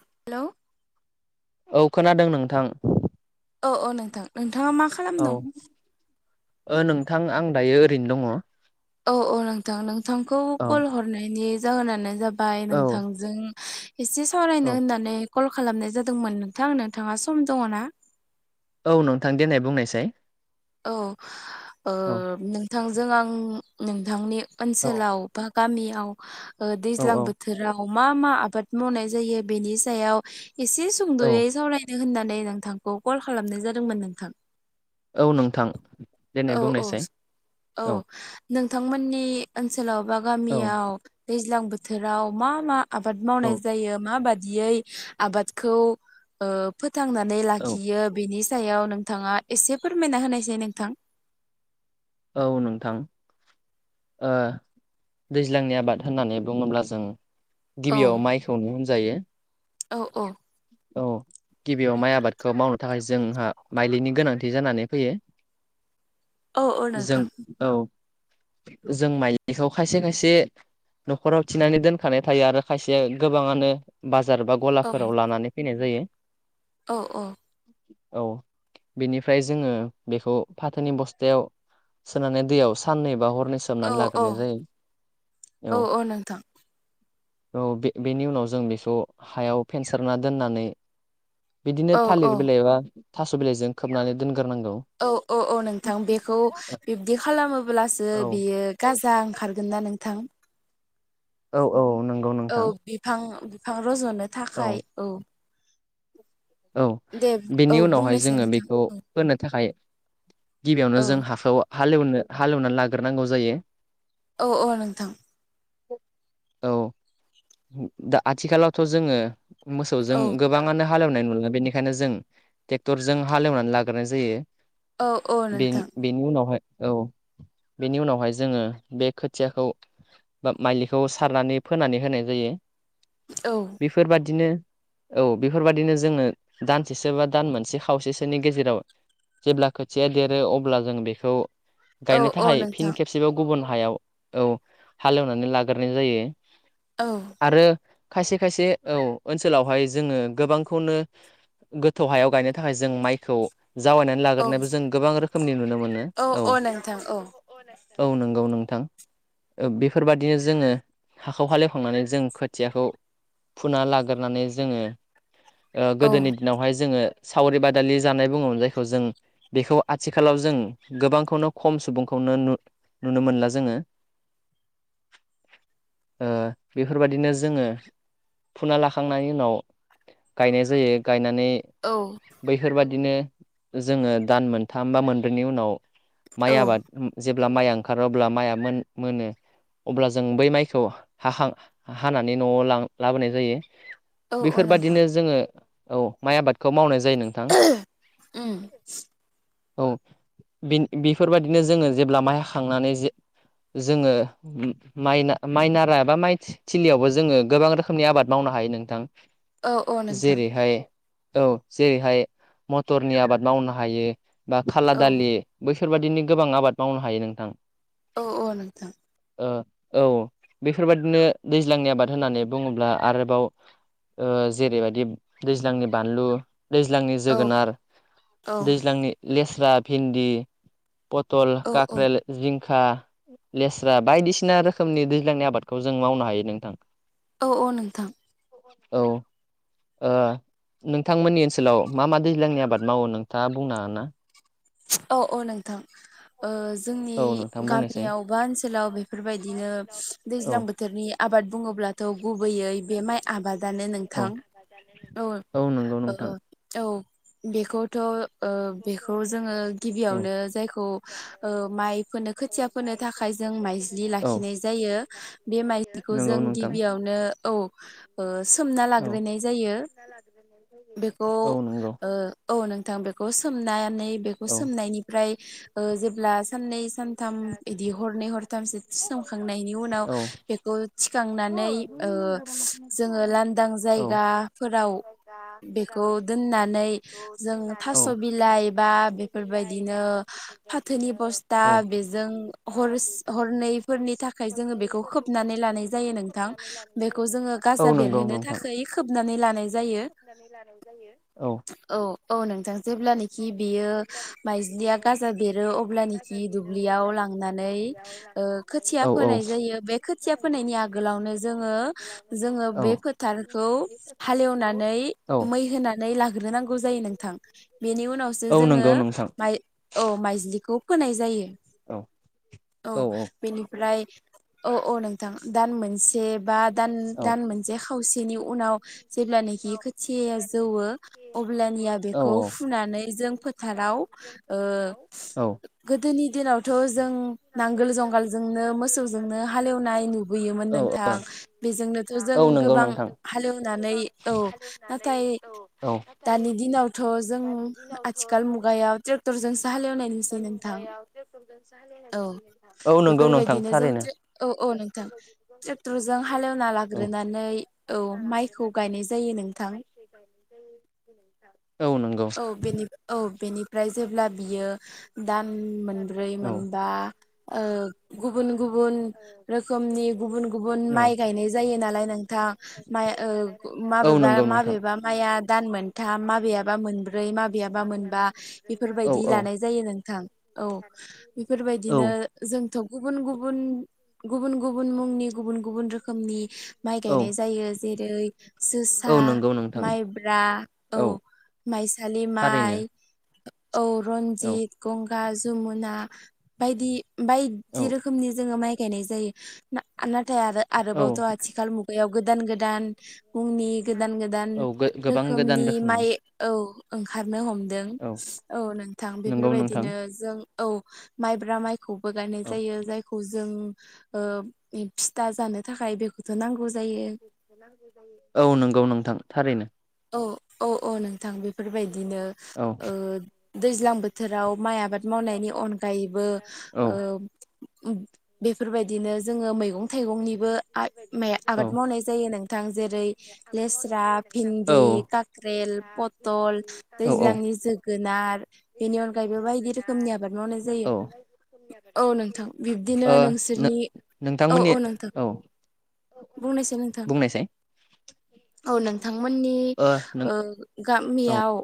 हेल'। औ खोनादों नोंथां। औ औ नोंथां नोंथाङा मा औ खालामदों? ओ नोंथां आं दायो ओरैनो दङ। औ औ नोंथां नोंथांखौ कल हरनायनि जाहोनानो जाबाय औ नोंथांजों एसे औ सावरायनो होननानै कल खालामनाय जादोंमोन नोंथां नोंथाङा सम दङ ना? औ नोंथां देनाय बुंनायसाय। औ ओ औ नोंथांजों आं नोंथांनि औ ओनसोलाव बा गामियाव औ दैज्लां औ बोथोराव मा मा आबाद मावनाय जायो बेनि सायाव एसे औ सुंद'यै सावराय नो होननानै नोंथांखौ कल खालामनाय जादोंमोन नोंथां। औ नोंथां देनाय औ औ बुंनायसाय औ नोंथांमोननि ओनसोलाव बा औ गामियाव दैज्लां बोथोराव मा मा आबाद औ मावनाय जायो माबादियै आबादखौ ओ फो फोथांनानै लाखियो बेनि सायाव नोंथाङा एसे फोरमायना होनायसै नोंथां। औ नोंथां। ओ दैज्लांनि आबाद होननानै बुङोब्ला जों औ गिबियाव माइखौनो होनजायो। औ औ औ गिबियाव माइ आबादखौ मावनो थाखाय जोंहा माइलिनि गोनांथि जानानै फैयो। [inaudible] जों नोंथां औ जों माइलिखौ खायसे खायसे न'खराव थिनानै दोनखानाय थायो आरो खायसे गोबाङानो बाज बाजार बा औ गलाफोराव लानानै फैनाय जायो। औ औ। औ बेनिफ्राय जोङो बेखौ फाथोनि बस्थायाव सोनानै दैयाव साननै बा हरनै औ सोमनानै औ लाग्रोनाय जायो। औ औ बे बेनि उनाव जों बेखौ हायाव फेनसारना दोननानै बिदिनो औ औ थालिर बिलाइबा थास' बिलाइजों खोबनानै दोनगोन औ औ औ नोंथां बेखौ बिब्दि खालामोब्लासो औ बियो गाजा ओंखारगोन ना नोंथां? औ औ। नंगौ औ नोंथां बिफां बिफां रज'नो थाखाय औ। औ दे औ बेनि उनावहाय बुंनायसै जोङो नोंथां बेखौ औ फोनो थाखाय गिबियावनो औ जों हाखौ हालेवनो हालेवनानै लाग्रोनांगौ जायो। औ औ नोंथां। औ दा आथिखालावथ' जोङो मोसौजों औ गोबाङानो हालेवनाय मोनगोन बेनिखायनो जों ट्रेक्टरजों हालेवनानै लाग्रोनाय जायो। औ औ बे नोंथां बेनि उनावहाय औ। बेनि उनावहाय जोङो बे खोथियाखौ बा माइलिखौ सारनानै फोनानै होनाय जायो। औ बेफोरबादिनो औ बेफोरबाददिनो जोङो। दानसेसो बा दान मोनसे खावसेसोनि गेजेराव जेब्ला खोथिया देरो अब्ला जों बेखौ औ गायनो औ थाखाय फिन नोंथां खेबसेबाव गुबुन हायाव औ हालेवनानै लाग्रोनाय जायो। औ आरो खायसे खायसे औ ओनसोलावहाय जोङो गोबांखौनो गोथौ हायाव गायनो थाखाय जों माइखौ जावायनानै औ लाग्रोनबो जों गोबां रोखोमनि नुनो मोनो औ औ नंगौ नोंथां बेफोरबाददिनो जोङो हाखौ हालेवखांनानै जों खोथियाखौ फुना लाग्रनानै जोङो औ गोदोनि दिनावहाय जोङो सावरि बादालि जानाय बुङो जायखौ जों बेखौ आथिखालाव जों गोबांखौनो खम सुबुंखौ नुनो नु नुनो मोनोना जोङो। [inaudible] ओ बेफोरबायादिनो जोङो फुना लाखांनायनि उनाव गायनाय जायो गायनानै औ बैफोरबादि बिदिनो जोङो दान मोनथाम बा मोनब्रैनि उनाव माइ औ आबाद जे ब्ला माइआ ओंखारो अब्ला माइआ मोनो अब्ला जों बै माइखौ हांखां हानानै न'आव लां लाबोनाय जायो। औ औ नोंथां। बेफोरबादिनो औ माइ आबादखौ मावनाय जायो नोंथां। उम [inaudible] बिन बेफोरबायदिनो जोङो जेब्ला माइ हाखांनानै जे जोङो माइना माइनारा एबा माइ थि थिलियावबो जोङो गोबां रोखोमनि आबाद मावनानैांगौ हायो नोंथां। औ औ नोंथां। जेरैहाय औ जेरैहाय मथरनि आबाद मावनो हायो बा खाला औ दालि बै बेफोरबायदिनो गोबां आबाद मावनो हायो नोंथां औ औ नोंथां ओ औ बेफोरबायदिनो दैज्लांनि आबाद होननानै बुङोब्ला आरोबाव ओ जेरैबायदि दैज्लांनि बानलु दैज्लांनि औ जोगोनार औ दैज्लांनि लेस्रा, भिन्दि, पथल औ काक्रेल जिं खा लेस्रा बायदिसिना रोखोमनि दैज्लांनि आबादखौ जों मावनो हायो नोंथां औ औ नोंथां औ ओ नोंथांमोननि ओनसोलाव मा मा दैज्लांनि आबाद मावो नोंथाङा बुंनो हागोन ना औ औ नोंथां ओ जोंनि औ नोंथां बुंनायसाय गामियाव बा ओनसोलाव बेफोरबायदिनो दैज्लां बोथोरनि आबाद बुङोब्ला थ' गुबैयै बे माइ आबादानो नोंथां औ औ ओ बेखौथ'ओ बेखौ जोङो गिबियावनो जायखौ माइ फोनो खोथिया फोनो थाखाय जों माइज्लि लाखि नाय जायो बे माइज्लिखौ जों गिबियावनो औ ओ सोमना लाग्रोननाय जायो बेखौ ओ औ नों थां बेखौ सोमनानै बेखौ सोमनायनिफ्राय ओ जेब्ला साननै सानथाम बिदि हरनै हरथामसो सोमखांनायनि उनाव बेखौ थिखांना नै ओ जोङो लांदां औ जायगाफोराव बेखौ दोननानै जों थास' बिलाइ बा बेफोरबायदिनो फाथोनि बस्था बा बेजों हर हरनैफोरनि थाखाय जोङो बेखौ खोबनानै लानाय जायो नोंथां। बेखौ जोङो औ गाजा बेरहोनो थाखाय खोबनानै लानाय जा यो औ औ नोंथां जेब्लानाखि बियो माइज्लिया गाजा बेरो अब्लानाखि दुब्लियाव लांनानै ओ खोथिया ओ फोनाय जायो बे खोथिया फोनायनि आगोलावनो जोङो जोङो औ बे फोथारखौ हालेवनानै औ मै होनानै लाग्रोनांगौ जायो नोंथां बेनि उनावसो औ जोङो नंगौ नोंथां माइ औ माइज्लिखौ फोनाय जायो औ औ बेनिफ्राय अ अ नोंथां दान मोनसे बा दान दान मोनसे खावसेनि उनाव जेब्लानाखि खोथियाया जौवो अब्लानिया औ बेखौ फुनानै जों फोथाराव ओ औ गोदोनि दिनावथ' जों नांगोल जुंगालजोंनो मोसौजों नो हालेवनाय नुबोयोमोन औ औ नोंथां बेजोंनोथ' जों औ नंगौ गोबां हालेवनानै औ नाथाय औ दानि दिनावथ' अ जों आथिखाल मुगायाव जों ट्रेक्टरजोंसो हालेवनाय नुसै नोंथां औ औ नंगौ नोंथां बेफोरबायदिनो जों थारैनो ट्रे औ औ नोंथां ट्रेक्टरजों हालेवना औ लाग्रोनानै औ माइखौ गायनाय जा औ नों औ बेनि औ बेनिफ्राय जेब्ला बियो दान मोनब्रै औ मोनबा ओ गुबुन गुबुन रोखोमनि गुबुन गुबुन माइ गायनाय जायो नालाय नोंथां माइ ओ औ माबेबा नंगौ माबेबा माइआ दान मोनथाम माबेयाबा मोन ब्रै माबेयाबा मोनबा इफोरबायदि लानाय जायो नोंथां औ इफोरबायदिनो ओ जोंथ' गुबुन गुबुन गुबुन गुबुन मुंनि गुबुन गुबुन रोखोमनि माइ औ गायनाय जायो। जेरै जोसा, नंगौ नोंथां माइब्रा औ माइसालि थारैनो माइ औ औ रन्जित, गंगा, जमुना बायदि बायदि औ रोखोमनि जोङो माइ गायनाय जायो ना ना थाय आरो औ आरोबावथ' आथिखाल मुगायाव गोदान गोदान हुमनि गोदान गोदान औ गोबां गोदान रोखोमनि माइ औ ओंखारनो हमदों औ औ नोंथां नंगौ नोंथां बेफोरबायदिनो जों औ माइब्रा माइखौबो गायनाय औ जायो जायखौ जो जों ओ फिथा जानो थाखाय बेखौथ' नांगौज [inaudible] औ नंगौ नोंथां थारैनो। अ औ औ नोंथां बेफोरबायदिनो औ ओ दैज्लां बोथोराव माइ आबाद मावनायनि अनगायैबो औ ओ [unintelligible] बेफोरबायदिनो जोङो मैगं थाइगंनिबो आइफ मे आबाद मावनाय जायो नोंथां जेरै लेस्रा फिन्द दि काक्रेल पटल दैज्लांनि जोगोनार बेनि अनगायैबो बायदि दि रोखोमनि आबाद मावनाय जायो औ नोंथां ओ बिब्दिनो नोंसोरनि औ नोंथांमोननि नोंथां औ बुंनायसै नोंथां बुंनायसाय औ नोंथां आंनि ओ औ गामियाव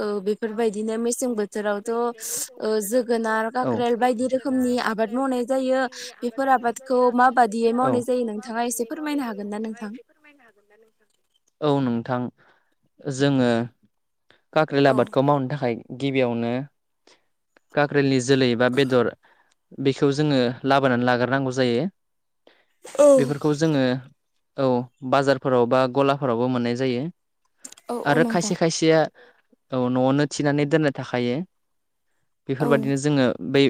ओ बेफोरबायदिनो मेसें बोथोरावथ'ओ जोगोनार औ काक्रेल बायदि रोखोमनि आबाद मावनाय जायो बेफोर आबादखौ मा बादियै मावनाय जायो नोंथाङा एसे फोरमायनो हागोन ना नोंथ एसे फोरमायनो हागोन ना नोंथां? औ नोंथां जोङो काक्रेल औ आबादखौ मावनो थाखाय गिबियावनो काक्रेलनि जोलै एबा बेदर बेखौ जोङो लाबोनानै लाग्रोनांगौ जायो। औ बेफोरखौ जोङो औ बाजारफोराव बा ग'लाफारावबो मोननाय जायो। औ औ नोंथां। सेया औ न'आवनो थिनानै दोननाय थाखायो। औ बेफोरबादिनो जोङो बै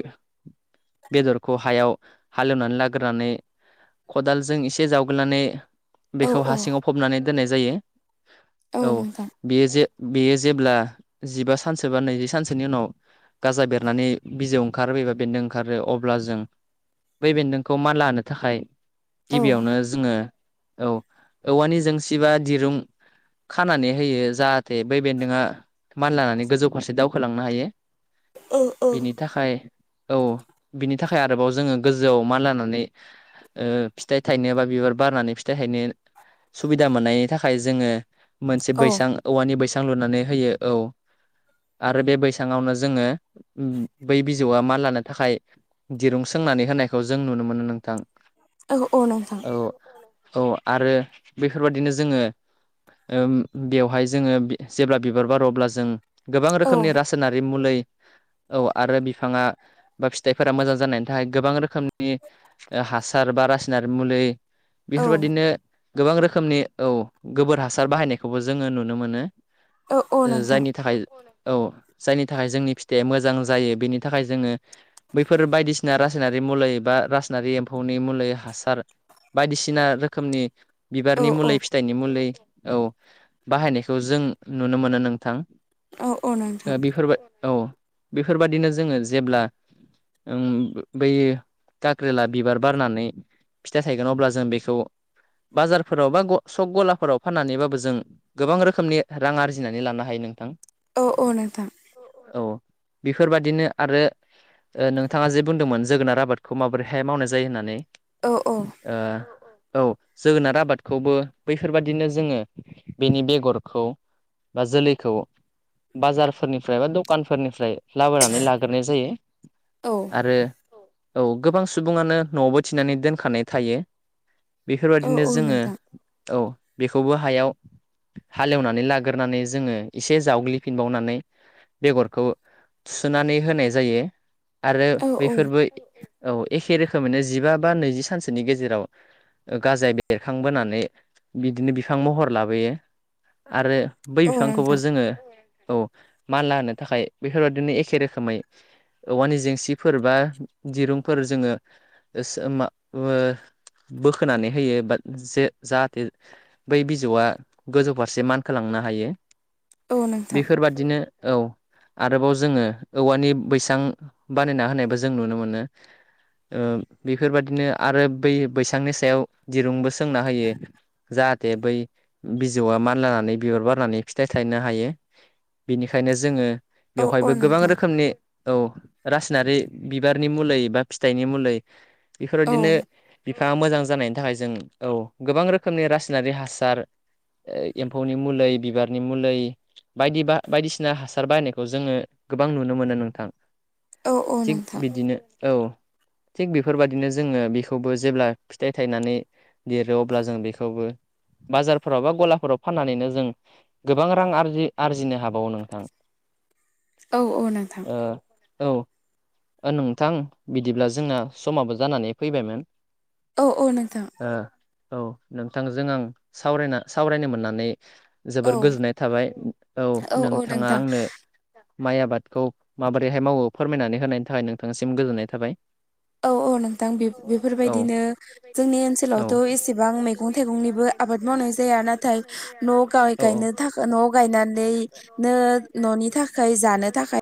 बेदरखौ हायाव हालेवनानै लाग्रोनानै खदालजों एसे जावगोलनानै औ बेखौ हा औ सिङाव फबनानै दोननाय जायो औ बेयो जे बेयो जेब्ला जिबा सानसो बा नैजि सानसोनि उनाव गाजा बेरनानै बिजौ ओंखारो एबा बेरनो ओंखारो अब्ला जों बै बेन्दोंखौ मानला होनो थाखाय औ गिबियावनो जोङो औ औवानि जोंसिबा दिरुं खानानै होयो जाह थे बै बेन्दोंआ मानलानानै गोजौ फारसे दावखोलांनो हायो। औ औ बिनि थाखाय औ [inaudible] बिनि थाखाय आरोबाव जोङो गोजौआव मानलानानै ओ फिथाइ थायनो बा बिबार बारनानै फिथाइ थायनो सुबिदा मोननायनि थाखाय जोङो मोनसे औ बैसां औवानि बैसां लुनानै होयो औ। आरो बे बैसङावनो जोङो उम बै बिजौआ माल लानो थाखाय दिरुं सों सोंनानै होनायखौ जों नुनो मोनो नोंथां। औ औ नोंथां। औ आरो बेफोरबादिनो जोङो ओ बेवहाय जोङो बि जेब्ला बिबार बार' अब्ला जों गोबां औ रोखोमनि रासायनारि मुलै [inaudible] औ आरो बिफाङा बा फिथाइफोरा मोजां जानायनि थाखाय गोबां रोखोमनि ओ हासार बा रासनारि मुलि औ बेफोरबायदिनो गोबां रोखोमनि औ गोबोर हासार बाहायनायखौबो जोङो नुनो मोनो। औ औ ओ नोंथां जायनि थाखाय औ। जायनि थाखाय जोंनि फिथाइया मोजां जायो बेनि थाखाय जोङो बैफोर बायदिसिना रासायनारि मुलै बा रासनारि एम्फौनि मुलि हासार बायदिसिना रोखोमनि औ बिबारनि औ मुलि फिथाइनि मुलि औ बाहायनायखौ जों नुनो मोनो नोंथां। औ औ नोंथां ओ बेफोरबाय औ बेफोरबादिनो जोङो जेब्ला ओम बैयो गाख्रिला बिबार बारनानै फिथाइ थायगोन अब्ला जों बेखौ बाजारफोराव बा सक गलाफोराव फाननानैबाबो जों गोबां रोखोमनि रां आरजिनानै लानो हायो नोंथां। औ अ नोंथां औ बेफोरबादिनो आरो ओ नोंथाङा जे बुंदोंमोन जोगोनार आबादखौ माबोरैहाय मावनाय जायो होननानै औ औ ओ औ जोगोनार आबादखौबो बैफोरबादिनो जोङो बेनि बेगरखौ बा जोलैखौ बाजारफोरनिफ्राय बा दखानफोरनिफ्राय लाबोनानै लाग्रोनाय जायो औ आरो औ गोबां सुबुङानो न'आवबो थिनानै दोनखानाय थायो औ बेफोरबायदिनो औ जोङो नोंथां औ बेखौबो हायाव हालेवनानै लाग्रानै जोङो एसे जावग्लिफिनबावनानै बेगरखौ सुुनानै होनाय जायो आरो औ औ बेैफोरबो औ एखे रोखोमैनो जिबा बा नैजि सानसोनि गेजेराव गाजाय बेरखांबोनानै बिदिनो बिफां महर लाबोयो आरो बै औ बिफांखौबो नोंथां जोङो औ मानला होनो थाखाय बेफोरबदिनो एखे रोखोमै औवानि जेंसिफोर बा दिरुंफोर जोङो होसो मा ओ बोखोनानै होयो बा जे जाहाथे बै बिजौआ गोजौ फारसे मानखोलांनो हायो औ नोंथां बेफोरबादिनो औ आरोबाव जोङो औवानि बैसां बानायना होनायबो जों नुनो मोनो ओ बेफोरबादिनो आरो बै बैसांनि सायाव दिरुंबो सोंना होयो जा हाथे बै बिजौआ मानलानानै बिबर बारनानै फिथाइ थायनो हायो बिनिखायनो जोङो औ औ बेवहायबो गोबां नोंथां रोखोमनि औ रासायनारि बिबारनि मुलै बा फिथाइनि मुलै औ बेफोरबायदिनो बिफाङा मोजां जानायनि थाखाय जों औ गोबां रोखोमनि रासायनारि हासार ओ एम्फौनि मुलै बिबारनि मुलै बायदि बा बायदिसिना हासार बायनायखौ जोङो गोबां नुनो मोनो नोंथां। औ औ थिग नोंथां बिदिनो औ [inaudible] थिग बेफोरबायदिनो जोङो बेखौबो जेब्ला फिथाइ थायनानै देरो अब्ला जों बेखौबो बाजार फोराव बा गलाफोराव फाननानैनो जों गोबां रां आरजि आरजिनो हाबावो नोंथां। औ औ नोंथां ओ औ ओ नोंथां बिदिब्ला जोंना समाबो जानानै फैबायमोन औ औ नोंथां ओ औ नोंथांजों आं सावरायना सावरायनो मोननानै औ जोबोर गोजोननाय थाबाय औ औ नोंथाङा नोंथां आंनो माइ आबादखौ माबोरैहाय मावो फोरमायनानै होनायनि थाखाय नोंथांनिसिम गोजोननाय थाबाय औ औ नोंथां बे बेफोरबायदिनो जोंनि औ ओनसोलावथ' नोंथां एसेबां मैगं थाइगंनिबो आबाद मावनाय जाया नाथाय न'आव गाय गायनो थाखाय न' गाय गायनानैनो न' न'नि था थाखाय जानो थाखाय